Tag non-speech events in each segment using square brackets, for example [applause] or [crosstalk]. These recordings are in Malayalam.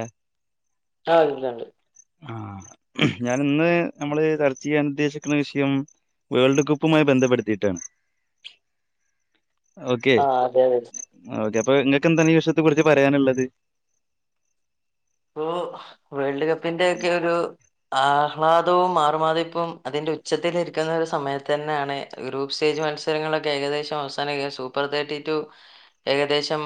ആ അ ല്ലാണ്ട് ആഹ്ഞാന ഇന്ന് നമ്മള് ചർച്ചെയ്യാൻ ഉദ്ദേശിക്കുന്ന വിഷയം വേൾഡ് കപ്പുമായി ബന്ധപ്പെടുത്തിട്ടാണ് ഓക്കെ ആ അതെ അതെ ഓക്കെ അപ്പൊ നിങ്ങക്ക് എന്താണ് ഈ വിഷത്തെ കുറിച്ച് പറയാനുള്ളത്? ഇപ്പോ വേൾഡ് ക പിന്റെക്കെ ഒരു ആഹ്ലാദവുംമാറുമാതിപ്പുംഅതിന്റെഉച്ചത്തിലിരിക്കുന്നഒരുസമയത്ത്തന്നെയാണ്ഗ്രൂപ്പ്സ്റ്റേജമത്സരങ്ങളൊക്കെ ഏകദേശം അവസാനം സൂപ്പർ തേർട്ടി ടു ഏകദേശം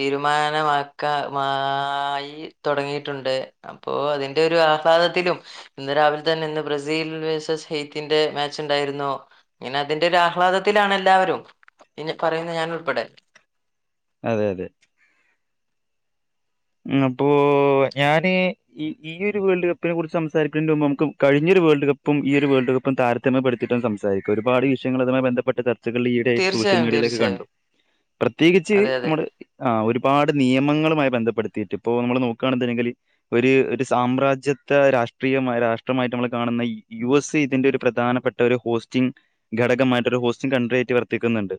തീരുമാനമാക്കമായി തുടങ്ങിയിട്ടുണ്ട് അപ്പോൊ അതിറെ ഒരു ആഹ്ലാദത്തിലും ഇന്ന് രാവിലെ തന്നെ ഇന്ന് ബ്രസീൽവേഴ്സസ്ഹെയത്തിന്റെമാച്ച്ഉണ്ടായിരുന്ഇങ്ങനെ അതിറെ ഒരു ആഹ്ലാദത്തിലാണ് എല്ലാവരും ഇനി പറയുന്ന ഞാൻ ഉൾപ്പെടെ അതെ അതെ അപ്പോൊ ഞൻ ഈ ഒരു വേൾഡ് കപ്പിനെ കുറിച്ച് സംസാരിക്കേണ്ടുമ്പോ നമുക്ക് കഴിഞ്ഞൊരു വേൾഡ് കപ്പും ഈ ഒരു വേൾഡ് കപ്പും താരതമ പടുത്തിട്ട സംസാരിക്കും ഒരുപാട് വിഷയങ്ങളൾതുമായി ബന്ധപ്പെട്ട് ച്ച ഈടെട്ട് സോഷ്യൽ തീർച്ചയായും മീഡിയയിലേക്ക തീർച്ചയായും കണ്ടു പ്രത്യേകിച്ച് അതെ അതെ നമ്മടെ ആ ഒരുപാ നിയമങ്ങളുമായി ബന്ധപ്പെട് ത്തീട്ട് ഇപ്പോ നമ്മൾ നോക്കുകയാണെന്നുണ്ടെങ്കിൽ ഒരു ഒരു സാമ്രാജ്യത്തെ രാഷ്ട്രീയ രാഷ്ട്രമായിട്ട് നമ്മൾ കാണുന്ന യു എസ് എ ഇതിന്റെ ഒരു പ്രധാനപ്പെട്ട ഒരു ഹോസ്റ്റിംഗ് ഘടകമായിട്ട് ഒരു ഹോസ്റ്റിംഗ കൺട്രി ആയിട്ട് വർത്തിക്കുന്നുണ്ട്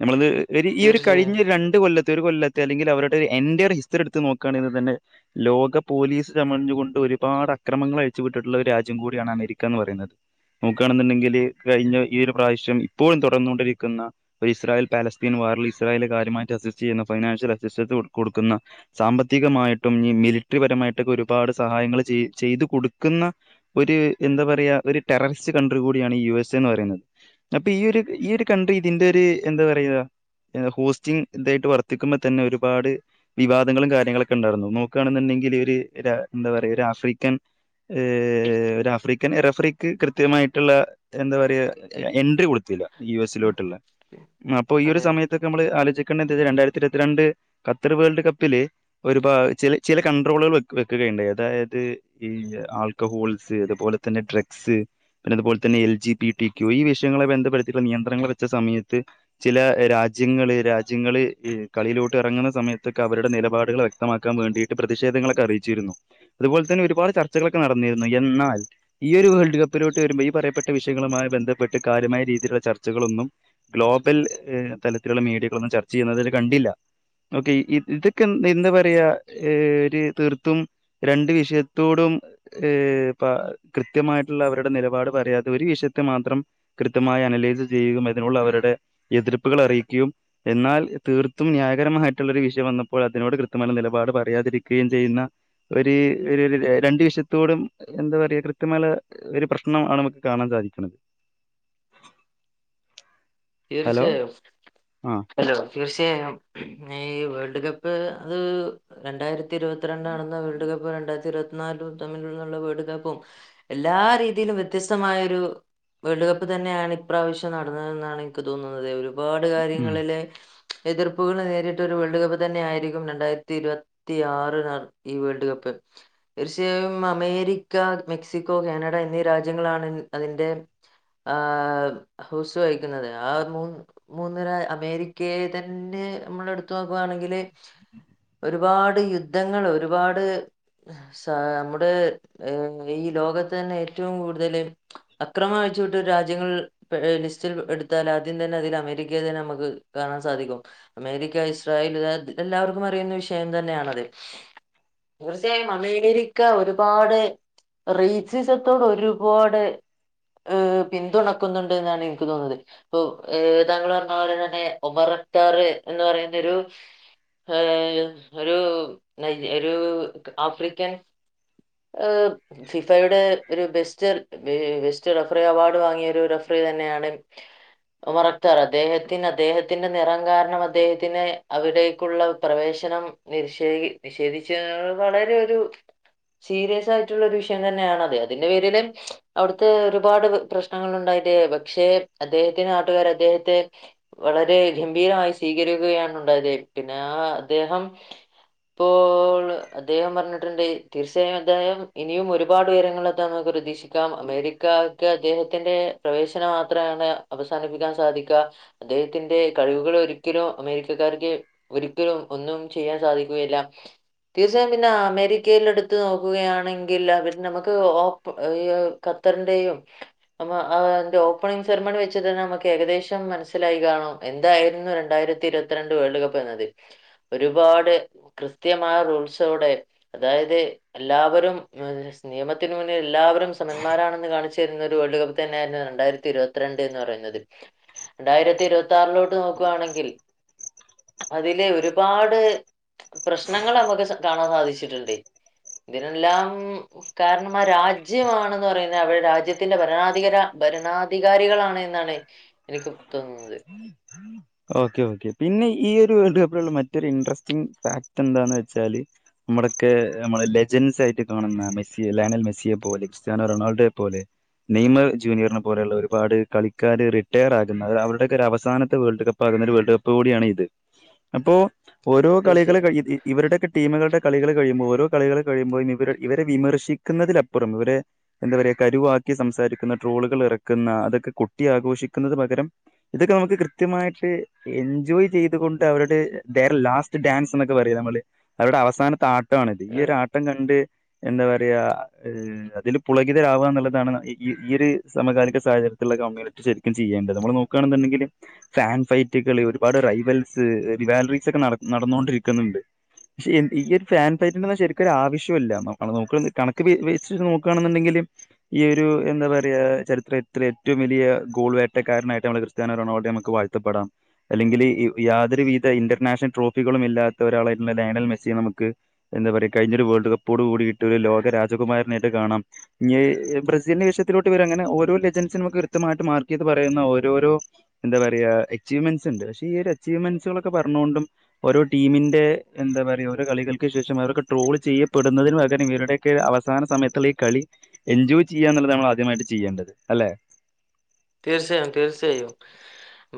നമ്മളത് ഒരു ഈ ഒരു തീർച്ചയായും കഴിഞ്ഞ രണ്ട് കൊല്ലത്തെ ഒരു കൊല്ലത്തെ അല്ലെങ്കിൽ അവരുടെ എന്റെർ ഹിസ്റ്ററി എട്ത്ത് നോ ക്കാണെങ്കിൽ തന്നെ ലോക പോലീസ് ചമഞ്ഞുകൊണ്ട് ഒരുപാട് അക്രമങ്ങൾ അഴിച്ചു വിട്ടിട്ടുള്ള ഒരു രാജ്യം കൂടിയാണ് അമേരിക്ക എന്ന് പറയുന്നത്. നോക്കുകയാണെന്നുണ്ടെങ്കിൽ കഴിഞ്ഞ ഈ ഒരു പ്രാവശ്യം ഇപ്പോഴും തുടർന്നുകൊണ്ടിരിക്കുന്ന ഒരു ഇസ്രായേൽ പാലസ്തീൻവാറിൽ ഇസ്രായേല കാര്യമായിട്ട് അസിസ്റ്റ് ചെയ്യുന്ന ഫൈനാൻഷ്യൽ അസിസ്റ്റൻസ് കൊടുക്കുന്ന സാമ്പ ത്തികമായിട്ടും ഇഞ്ഞ് മിലിറ്ററി പരമായിട്ടൊക്കെ ഒരുപാട് സഹായങ്ങൾ ചെയ് ചെയ്തു കൊടുക്കുന്ന ഒരു എന്താ പറയ ഒരു ടെററിസ്റ്റ് കൺട്രി കൂടിയാണ് യു എസ് എ എന്ന് പറയുന്നത്. അപ്പൊ ഈ ഒരു ഈ ഒരു കൺണ്ട്രി ഇതിന്റെ ഒരു എന്താ പറയുക ഹോസ്റ്റിംഗ് എന്തായിട്ട് വർത്തിക്കുമ്പോ തന്നെ ഒരുപാട് വിവാദങ്ങളും കാര്യങ്ങളക്കെ ണ്ട നോക്കണെന്നുണ്ടെങ്കിൽ എന്താ പറയ ഒരു ആഫ്രിക്കൻ ആഫ്രിക്കൻ എറഫ്രിക്ക് കൃത്യമായിട്ടുള്ള എന്താ പറയാ എൻട്രി കൊടു യു എസി ലോട്ടുള്ളെ അതെ അപ്പോ ഈ ഒരു അതെ സമയത്തൊക്കെ നമ്മള് ആലോചിക്കണ്ടെ രണ്ടായിരത്തി ഇരുപത്തി രണ്ട് ഖത്തർ വേൾഡ് കപ്പില് ഒരു പാ ച ചില കൺട്രോളുകൾ വെക്കുകയുണ്ടായി അതായത് ഈ ആൾക്കഹോൾസ് അതുപോലെ തന്നെ ഡ്രഗ്സ് പിന്നെ അതുപോലെ തന്നെ എൽ ജി പി ടിക്യു ഈ വിഷയങ്ങളെ ബന്ധപ്പെടുത്തിയിട്ടുള്ള നിയന്ത്രണങ്ങൾ വെച്ച സമയത്ത് ചില രാജ്യങ്ങള് രാജ്യങ്ങള് കളിയിലോട്ട് ഇറങ്ങുന്ന സമയത്തൊക്കെ അവരുടെ നിലപാടുകൾ വെക്ക വ്യക്തമാക്കാൻ വേണ്ടിയിട്ട് പ്രതിഷേധങ്ങളൊക്കെ അറിയിച്ചിരുന്നു അതുപോലെ തന്നെ ഒരുപാട് ചർച്ചകളൊക്കെ നടന്നിരുന്നു എന്നാൽ ഈ ഒരു വേൾഡ് കപ്പിലോട്ട് വരുമ്പോൾ ഈ പറയപ്പെട്ട വിഷയങ്ങളുമായി ബന്ധപ്പെട്ട് കാലയമായ രീതിയിലുള്ള ചർച്ചകളൊന്നും ഗ്ലോബൽ തരത്തിലുള്ള മീഡിയകളൊന്നും ചർച്ച ചെയ്യുന്നതിൽ കണ്ടില്ല ഓക്കെ ഇതൊക്കൊ എന്താ പറ യ ഒരു തീർത്തും രണ്ട് വിഷയത്തോടും കൃത്യമായിട്ടുള്ള അവരുടെ നിലപാട് പറയാതെ ഒരു വിഷയത്തെ മാത്രം കൃത്യമായി അനലൈസ് ചെയ്യുകയും അതിനുള്ള അവരുടെ എതിർപ്പുകൾ അറിയിക്കുകയും എന്നാൽ തീർത്തും ന്യായകരമായിട്ടുള്ള ഒരു വിഷയം വന്നപ്പോൾ അതിനോട് കൃത കൃല നിലപാട് പറയാതിരിക്കുകയും ചെയ്യുന്ന ഒരു രണ്ടുവിഷത്തോടും എന്താ പറയുക കൃത്യമായ ഒരു പ്രശ്ന ആണ് നമുക്ക് കാണാൻ സാധിക്കുന്നത് ഹലോ തീർച്ചയായും ആ ഹലോ തീർച്ചയായും ഈ വേൾഡ് കപ്പ് അത് രണ്ടായിരത്തി ഇരുപത്തിരണ്ടാണെന്ന് അവരുടെ ഇപ്പോ രണ്ടായിരത്തി ഇരുപത്തിനാല് തമ്മിൽന്നുള്ള വേൾഡ് കപ്പും എല്ലാ രീതിയിലും വ്യത്യസ്തമായ ഒരു വേൾഡ് കപ്പ് തന്നെയാണ് ഇപ്രാവശ്യം നടന്നതെന്നാണ് ക്ക് തോന്നുന്നതെ ഒരു പാട് ഉം കാര്യങ്ങളില് എതിർപ്പുകൾ നേരിട്ട ഒരു വേൾഡ് കപ്പ് തന്നെ ആയിരിക്കും രണ്ടായിരത്തി ഇരുപത്തി ആറ് ഈ വേൾഡ് കപ്പ് തീർച്ചയായും അമേരിക്ക മെക്സിക്കോ കാനഡ എന്നീ രാജ്യങ്ങളാണ് അതിന്റെ ആഹ് ഹൗസ് വഹിക്കുന്നത്. ആ മൂ മൂന്നര അമേരിക്കയെ തന്നെ നമ്മൾ എടുത്തു നോക്കുകയാണെങ്കിൽ [inaudible] രുപാട് യുദ്ധങ്ങൾ ഒരുപാട് സാ നമ്മുട് ഈ ലോകത്ത് തന്നെ ഏറ്റവും കൂടുതൽ അക്രമം വഴിച്ചു വിട്ട രാജ്യങ്ങൾ പെ ലിസ്റ്റിൽ പെടു ത്താൽ ആദ്യം തന്നെ അതിൽ അമേരിക്കയെ തന്നെ നമുക്ക് കാണാൻ സാധിക്കും. അമേരിക്ക ഇസ്രായേൽ എല്ലാവർക്കും അറിയുന്ന വിഷയം തന്നെയാണത് ന്നൂസേ അമേരിക്ക ഒരുപാട് റീസിസത്തോട് ഒരുപാട് ഏഹ പിന്തുണക്കുന്നുണ്ട് എന്നാണ് എനിക്ക് തോന്നുന്നത് ഇപ്പൊ താങ്കൾ പറഞ്ഞ പോലെ തന്നെ ഒമർ അക്താർ എന്ന് പറയുന്ന ഒരു ഏ ഒരു ന ഒരു ആഫ്രിക്കൻ ഏ ഫിഫയുടെ ഒരു ബെസ്റ്റ് ബെസ്റ്റ് റഫറി അവാർഡ് വാങ്ങിയ ഒരു റഫറി തന്നെയാണ് ഒമറക്തർ അദ്ദേഹത്തിന് അദ്ദേഹത്തിന്റെ നിറം കാരണം അദ്ദേഹത്തിന് അവിടേക്കുള്ള പ്രവേശനം നിർഷേ നിഷേധിച്ച വളരെ ഒരു സീരിയസ് ആയിട്ടുള്ള ഒരു വിഷയം തന്നെയാണത് അതിന്റെ പേരില് അവിടുത്തെ ഒരുപാട് പ്രശ്നങ്ങളുണ്ടായിട്ടി പക്ഷെ അദ്ദേഹ ത്യ നാട്ടുകാർ അദ്ദേഹത്തെ വളരെ ഗംഭീരമായി സ്വീകരിക്കുകയാണ് ഉണ്ടായത് പിന്നെ ആ അദ്ദേഹം ഇപ്പോൾ അദ്ദേഹം പറഞ്ഞിട്ടുണ്ട് തീർച്ചയായും അദ്ദേഹം ഇനിയും ഒരുപാട് ഉ യരങ്ങളെത്താൻ നമുക്ക് പ്രതീക്ഷിക്കാം അമേരിക്കക്ക് അദ്ദേഹത്തിന്റെ പ്രവേശനം മാത്രമാണ് ത്യ അവസാനിപ്പിക്കാൻ സാധിക്ക അദ്ദേഹത്തിന്റെ കഴിവുകൾ ഒരിക്കലും അമേരിക്കക്കാർക്ക് ഒരിക്കലും ഒന്നും ചെയ്യാൻ സാധിക്കുകയില്ല തീർച്ചയായും പിന്നെ അമേരിക്കലെ എടുത്ത് നോക്കുകയാണെങ്കിൽ പിന്നെ നമുക്ക് ഓപ്പ ഖത്തറിന്റെയും ന ഓപ്പണിംഗ സെറിമണി വെ ച്ചത് നമുക്ക് ഏകദേശം മനസ്സിലായി കാണും എന്തായിരുന്നു രണ്ടായിരത്തി ഇരുപത്തിരണ്ട് വേൾഡ് കപ്പ് എന്നത് ഒരുപാട് ക്രിസ്ത്യമായ റൂൾസോടെ അതായത് എല്ലാവരും മ്മ് സ നിയമത്തിന് മുന്നിൽ എല്ലാവരും സമന്മാരാണെന്ന് കാണിച്ച തരുന്ന ഒരു വേൾഡ് കപ്പ് തന്നെയായിയിരുന്നു രണ്ടായിരത്തി ഇരുപത്തിരണ്ട് പറയുന്നത് രണ്ടായിരത്തി ഇരുപത്തി ആറിലോട്ട് നോക്കുകയാണെങ്കിൽ അതില് ഒരുപാട് പ്രശ്നങ്ങൾ നമുക്ക് കാണാൻ സാധിച്ചിട്ടുണ്ട് ഇതിനെല്ലാം കാരണം ആ രാജ്യമാണന്ന് പറയുന്നത് അവിടെ രാജ്യത്തിന്റെ ഭരണാധിക ഭരണാധികാരികളാ എന്നാണ് എനിക്ക് തോന്നുന്നത് ഓക്കെ ഓക്കെ പിന്നെ ഈ ഒരു വേൾഡ് കപ്പിലുള്ള മറ്റൊരു ഇന്റർസ്റ്റിംഗ് ഫാക്ട് എന്താന്ന് വെച്ചാല് നമ്മുടൊക്കെ നമ്മളെ ലെജൻസ് ആട്ട് കാണുന്ന മെസ്സി ലെനൽ മെസ്സിയെ പോലെ ക്രിസ്ത്യാനോ റൊണാൾഡോയെ പോലെ നെയ്മ ജൂനിയറിനെ പോലെയുള്ള ഒരുപാട് കളിക്കാർ റിട്ടയർ ആകുന്ന അവരുടെയൊക്കെ ഒരു അവസാനത്തെ വേൾഡ് കപ്പ് ന്ന ഒരു വേൾഡ് കപ്പ് കൂടിയാണ് ഇത് അപ്പോ ഓരോ കളികള് തീർച്ചയായും കഴി ഇ ഇവർക്ക് കി ടീമുകളുടെ കളികൾ കഴിയുമ്പോ ഓരോ കളികൾ കഴിയുമ്പോഴും ഇവർ ഇവരെ വിമർശിക്കുന്നതിലപ്പുറം ഇവരെ എന്താ പറയുക കരുവാക്കി സംസാരിക്കുന്ന ട്രോളുകൾ ഇറക്കുന്ന അതൊക്കെ കുട്ടി ആഘോഷിക്കുന്നുന്നത് പകരം ഇതൊക്കെ നമുക്ക് കൃത്യമായി എൻജോയ് ചെയ്ത് കൊണ്ട് അവരുടെ വേറെ ലാസ്റ്റ് ഡാൻസ് എന്നൊക്കെ പറയ് നമ്മൾ അവരുടെ അവസാനത്തെ ആണിത് ഈ ഉം. ഒരാട്ടം കണ്ട് എന്താ പറയാ അതില് പുളകിതയാ വുകയെന്നുള്ളതാണ് ഈ ഈയൊരു സമകാലിക സാഹചര്യത്തിലുള്ളത് കമ്മ്യൂണിറ്റി ശരിക്കും ചെയ്യേണ്ടത് നമ്മൾ നോക്കുകയാണെന്നുണ്ടെങ്കില് ഫാൻ ഫൈറ്റുകൾ ഒരുപാട് റൈവൽസ് റിവാലറീസ് ഒക്കെ നട നടന്നുകൊണ്ടിരിക്കുന്നുണ്ട് പക്ഷെ ഈ ഒരു ഫാൻ ഫൈറ്റ് ശരിക്കൊരു ആവശ്യമില്ല ന കണക്ക് വ വയ്ച്ചു നോക്കയാണെങ്കിൽ ഈ ഒരു എന്താ പറയാ ചരിത്ര ഇത്ര ഏറ്റവും വലിയ ഗോൾ വേട്ടക്കാരനായിട്ട് നമ്മള് ക്രിസ്ത്യാനോറൊണാൾഡോ ഒക്കെ വായി ത്തപ്പെടാം അല്ലെങ്കിൽ യാതൊരു വിധ ഇന്റർനാഷണൽ ട്രോഫികളും ഇല്ലാത്ത ഒരാളായുള്ള ലെനൽ മെസ്സി നമുക്ക് എന്താ പറയാ കഴിഞ്ഞൊരു വേൾഡ് കപ്പോട് കൂടിയിട്ട് ഒരു ലോക രാജകുമാരനായിട്ട് കാണാം ഇ ബ്രസീലിന്റെ വിഷയത്തിലോട്ട് വരും അങ്ങനെ ഓരോ ലെജൻസിനും ഒക്കെ എടുത്തു മാറ്റ മാർക്ക് ചെയ്ത് പറയുന്ന ഓരോരോ എന്ത പറയാ അച്ചീവ്മെന്റ്സ് ഉണ്ട് പക്ഷെ ഈ ഒരു അച്ചീവ്മെന്റ്സുകളൊക്കെ പറഞ്ഞുകൊണ്ടും ഓരോ ടീമിന്റെ എന്താ പറയ്ക ഓരോ കളികൾക്ക് ശേഷം അവരൊക്കെ ട്രോൾ ചെയ്യപ്പെടുന്നതിന് പകരം ഇവരുടെക്കെ അവസാന സമയത്തുള്ള ഈ കളി എൻജോയ് ചെയ്യാ എന്നുള്ളതാണ് നമ്മൾ ആദ്യമായിട്ട് ചെയ്യേണ്ടത് അല്ലെ തീർച്ചയായും തീർച്ചയായും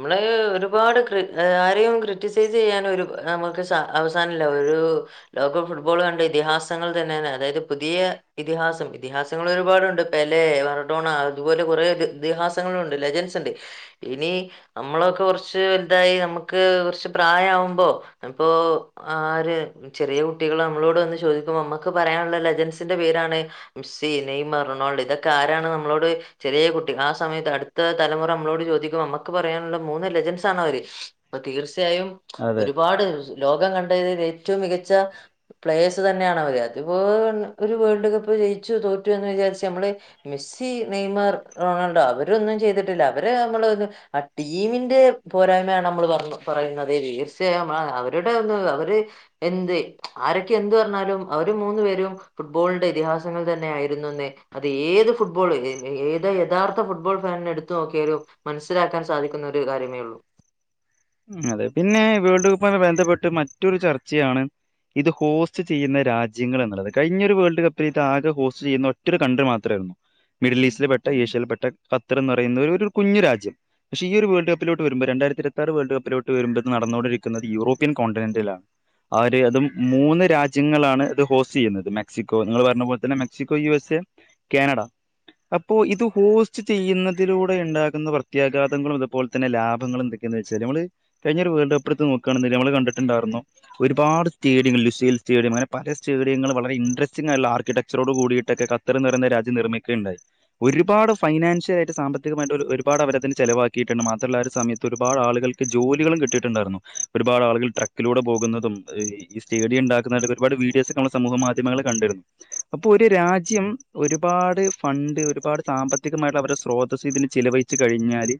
മ്മള് ഒരുപാട് കൃ ആരെയും ക്രിറ്റിസൈസ് ചെയ്യാൻ ഒരു നമുക്ക് സ അവസാനല്ല ഒരു ലോക ഫുട്ബോൾ കണ്ട ഇതിഹാസങ്ങൾ തന്നെയാണ് അതായത് പുതിയ ഇതിഹാസം ഇതിഹാസങ്ങൾ ഒരുപാടുണ്ട് പെലെ, മറഡോണ അതുപോലേ കൊറെ ഇതിഹാ [unintelligible] ലജൻസ് ണ്ട് ഇനി നമ്മളൊക്കെ കൊറച്ച് വൽതായി നമ്മുക്ക് കൊറച്ച് പ്രായ ആവുമ്പോ അപ്പോ ആര് ചെറിയ കുട്ടികള് നമ്മളോട് വന്ന് ചോദിക്കുമ്പോ നമ്മക്ക് പറയാനുള്ള ലെജൻസിന്റെ പേരാണ് മെസ്സി, നെയ്മർ, റൊണാൾഡോ ഇതൊക്കെ ആരാണ് നമ്മളോട് ചെറിയ കുട്ടിക സമയത്ത് അടുത്ത തലമുറ മ്മളോട് ചോദിക്കുമ്പോ നമ്മക്ക് പറയാനുള്ള മൂന്ന് ലെജൻസാണ് അവര് അപ്പോ തീർച്ച യായും അതെ ഒരുപാട് ലോകം കണ്ടയില് ഏറ്റവും മികച്ച പ്ലേയേഴ്സ് തന്നെയാണ് അവര് അതുപോ ഒരു വേൾഡ് കപ്പ് ജയിച്ചു തോറ്റു എന്ന് വിചാരിച്ച് നമ്മള് മെസ്സി നെയ്മർ റൊണാൾഡോ അവരൊന്നും ചെയ്തിട്ടില്ല അവര് നമ്മള് ആ ടീമിന്റെ പോരായ്മയാണ് നമ്മൾ പറ പറയുന്നത് തീർച്ചയായും അവരുടെ ഒന്ന് അവര് എന്ത് ആരൊക്കെ എന്ത് പറഞ്ഞാലും അവര് മൂന്നു പേരും ഫുട്ബോളിന്റെ ഇതിഹാസങ്ങൾ തന്നെ ആയിരുന്നു ന്നെ അത് ഏത് ഫുട്ബോൾ ഏത് യഥാർത്ഥ ഫുട്..... [unintelligible] എടുത്തു നോക്കിയാലും മനസ്സിലാക്കാൻ സാധിക്കുന്ന ഒരു കാര്യമേള്ളൂ- അതെ പിന്നെ വേൾഡ് കപ്പുമായി ബന്ധപ്പെട്ട് മറ്റൊരു ചർച്ചയാണ് ഇത് ഹോസ്റ്റ് ചെയ്യുന്ന രാജ്യങ്ങൾ എന്നുള്ളത് കഴിഞ്ഞൊരു വേൾഡ് കപ്പിൽ ഇത് ആകെ ഹോസ്റ്റ് ചെയ്യുന്ന ഒറ്റൊരു കൺടി മാത്രമാ മിഡിൽ ഈസ്റ്റിൽ പെട്ട ഏഷ്യയിൽ പെട്ട ഖത്തർ എന്ന് പറയുന്ന ഒരു കുഞ്ഞു രാജ്യം പക്ഷേ ഈയൊരു വേൾഡ് കപ്പിലോട്ട് വരുമ്പോൾ രണ്ടായിരത്തിഇര്പത്തിയാറ് വേൾഡ് കപ്പ്- അവരോട്ട് വരുമ്പോത് നടന്നുകൊണ്ടിരിക്കുന്നത് യൂറോപ്യൻ കോണ്ടിനന്റൽാണ് അവര് അതും മൂന്ന് രാജ്യങ്ങളാണ് ഇത് ഹോസ്റ്റ് ചെയ്യുന്നത് മെക്സിക്കോ നിങ്ങൾ പറഞ്ഞ പോലെ തന്നെ Mexico U S A Canada അപ്പോ ഇത് ഹോസ്റ്റ് ചെയ്യുന്നതിലൂടെ ഉണ്ടാക്കകുന്ന പ്രത്യാഘാതങ്ങളും അതുപോലെ തന്നെ ലാഭങ്ങളും എന്തൊക്കെയാണെന്ന് വച്ചാൽ നമ്മള് - കഴിഞ്ഞ ഒരു വേൾഡ് കപ്പ് എടുത്ത് നോക്കയാണെന്ന്വരി നമ്മൾ കണ്ടിട്ടുണ്ടാർന്നു ഒരുപാട് സ്റ്റേഡിയങ്ങൾ സ്റ്റീൽ സ്റ്റേഡിയങ്ങൾപല സ്റ്റേഡിയങ്ങൾ വളരെ ഇൻട്രസ്റ്റ്ങ്ങ് ആയിട്ടുള്ള ആർക്കിടെക്സ്ചറോഡ് കൂടിയിട്ടക്കെ ഖത്തർ എന്നപറയ്ന്ന രാജ്യം നിർമ്മിക്കുകയുണ്ടായി ഒരുപാട്ഫൈനാൻഷ്യൽ ആയിട്ട് സാമ്പത്തികമായിട്ട് ഒര് ഒരുപാട് അവര് അതിനു ചെലവാക്കിയിട്ടുണ്ട് മാത്രമല്ല ഒരു സമയത്ത് ഒരുപാട് ആളുകൾ- ജോലികളും കിട്ടിയിട്ടുണ്ടായിരുന്നു ഒരു പാട് ആള്കൾ ട്രക്കിലൂടെ പോകുന്നതും ഈസ്റ്റേഡിയം ഉണ്ടാക്കുന്നതുമായ ഒരുപാട് വീഡിയോസ് സമൂഹമാധ്യമങ്ങളിൽ നമ്മൾ കണ്ടിരുന്നുഅപ്പോ ഒരു രാജ്യം ഒരുപാട് ഫണ്ട് ഒരുപാട് സാമ്പത്തികമായിട്ടുളള അവരുടെ സ്രോതസ്സ് ഇതിന് ചെലവഴിച്ചു കഴിഞ്ഞാൽ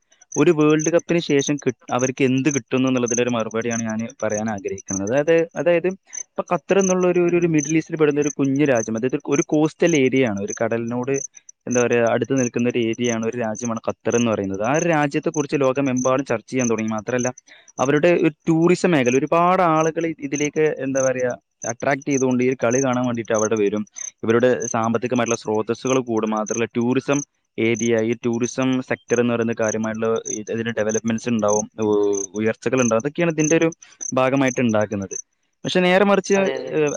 ഒരു വേൾഡ് കപ്പിന് ശേഷം കിട്ട്- അവർക്ക് എന്ത് കിട്ടുന്നു എന്നുള്ളതിൽ ഒരു മറുപാടിയാണ് ഞാന് പറയാൻ ആഗ്രഹിക്കുന്നത്. അത് അതായത് ഇപ്പം ഖത്തർ എന്നുള്ള ഒരുഒരു മിഡിൽ ഈസ്റ്റിൽ പെടുന്ന ഒരു കുഞ്ഞി രാജ്യം അതായത്ഒരു കോസ്റ്റൽ ഏരിയയാണ് ഒരു കടലിനോട് എന്താ പറയാ അടുത്ത് നിൽക്കുന്നഒരു ഏരിയയാണ് ഒരു രാജ്യമാണ്ഖത്തർ എന്ന് പറയുന്നത് ആ രാജ്യത്തെ കുറിച്ച് ലോകമെമ്പാടും ചർ ചെയ്യാൻ തുടങ്ങി മാത്രല്ല അവരുടെ ഒരു ടൂറിസം മേഖലാ ഒരുപാട് ആളുകൾ ഇതിലേക്ക് എന്താ പറയ്ക അട്രാക്ട് ചെയ്തു കൊണ്ട് ഈകളി കാണാൻ വേണ്ടി അവിടെ വരും ഇവരുടെ സാമ്പത്തിക മായിട്ടുള്ള സ്രോതസ്സുകൾ കൂടും മാത്രമല്ലടൂറിസം ഏരിയ ഈ ടൂറിസം സെക്ടർ എന്നുപറയുന്ന കാര്യമായിട്ടുള്ള ഇതിൻറെ ഡെവലപ്പ്- മനസ്സിലുണ്ടാവുംഉയർച്ചകൾ ഉണ്ടാവുംഅതൊക്കെയാണ് ഇതിന്റെ ഒരു ഭാഗമായിട്ട് ഉണ്ടാക്കുന്നത്- പക്ഷെ നേരെ മറിച്ച് അതെ അതെ അഹ്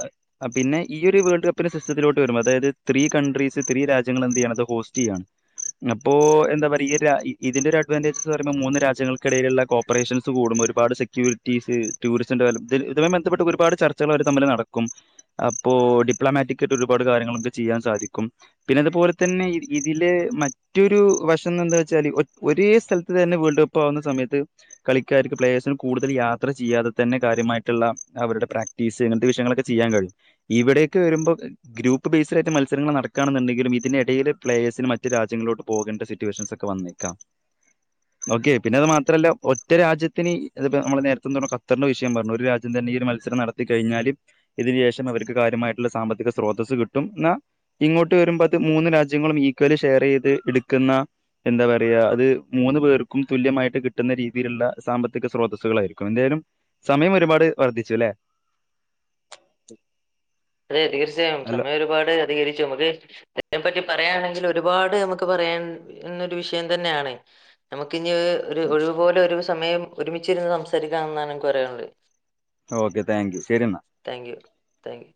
അത് പിന്നെ. ഈ ഒരു വേൾഡ് കപ്പിന്റെ സിസ്റ്റത്തിലോട്ട് വരും അതായത് ത്രീ കൺട്രീസ് ത്രീ രാജ്യങ്ങൾ എന്ത് ചെയ്യണം അത് പോസ്റ്റ് ചെയ്യുക അപ്പോ എന്താ പറയാ ഈ ഒരു രാജ്യ ഇതിൻറെ ഒരു അഡ്വാൻറ്റേജ് എന്ന് പറയുമ്പം മൂന്ന് രാജ്യ- രാജങ്ങൾക്കിടയിലുള്ള കോപ്പറേഷൻസ് കൂടും ഒരുപാട് സെക്യൂരിറ്റീസ് ടൂറിസം ഡെവലപ്പ് ഇതുമായി ബന്ധപ്പെട്ട് ഒരുപാട് ചർച്ചകൾ അവർ തമ്മിൽ നടക്കും അപ്പോൾ ഡിപ്ലോമാറ്റി ആയിട്ട് ഒരുപാട് കാര്യങ്ങളൊക്കെ ചെയ്യാൻ സാധിക്കും പിന്നെ അതുപോലെ തന്നെ ഇതിലെ മറ്റൊരു വശം എന്താ വെച്ചാൽ ഒരേ സ്ഥലത്ത് തന്നെ വേൾഡ് പോവുന്ന സമയത്ത് കളിക്കാർക്ക് പ്ലേഴ്സിന് കൂടുതൽ യാത്ര ചെയ്യാതെ തന്നെ കാര്യമായിട്ടുള്ള അവരുടെ പ്രാക്ടീസ് അങ്ങനത്തെ വിഷയങ്ങളൊക്കെ ചെയ്യാൻ കഴിയും ഇവിടെയൊക്കെ വരുമ്പോൾ ഗ്രൂപ്പ് ബേസ്ഡ ആയിട്ട് മത്സരങ്ങൾ നടക്കുകയാെന്നുണ്ടെങ്കിലും ഇതിന്റെ ഇടയിൽ പ്ലേയേഴ്സിന് മറ്റു രാജ്യങ്ങളോട്ട് പോകേണ്ട സിറ്റുവേഷൻസ് ഒക്കെ വന്നേക്കാം ഓക്കെ പിന്നെ അത് മാത്രല്ല ഒറ്റ രാജ്യത്തിന് ഇ ഇത് പൊ നമ്മൾ നേരത്തെ ത കത്തർന്റെ വിഷയം പറഞ്ഞു ഒരു രാജ്യം തന്നെ ഈ ഒരു മത്സരം നടത്തി കഴിഞ്ഞാല് ഇതിന്ശേഷം അവർക്ക് കാര്യമായിട്ടുള്ള സാമ്പത്തിക സ്രോതസ്സ് കിട്ടും എന്നാൽ ഇങ്ങോട്ട് വരുമ്പോ അത് മൂന്ന് രാജ്യങ്ങളും ഈക്വലി ഷെയറെയ്ത് ഇട്ക്കുന്ന എന്താ പറയ അത് മൂന്ന് പേർക്കും തുല്യമായിട്ട് കിട്ടുന്ന രീതിയിലുള്ള സാമ്പത്തിക സ്രോതസ്സുകളായിരിക്കും എന്തായാലും സമയം ഒരുപാട് വർദ്ധിച്ചു ലെ അതെ തീർച്ചയായും അല്ല സമയം ഒരുപാട് അധികരിച്ചു നമുക്ക് ഇതിനെ പറ്റി പറയയാണെ ഒരുപാട് നമുക്ക് പറയാൻ ഒരു വിഷയം തന്നെയാണ് നമുക്ക് ഒരു ഒഴിവുപോലെ ഒരു സമയം ഒരുമിച്ചിരുന്ന് സംസാരിക്കാന്നാണ് അനക്ക് പറയാനുള്ള് ഓക്കെ താങ്ക് യു ശരിന്നാ താങ്ക് യു താങ്ക് യു